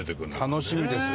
楽しみですよね。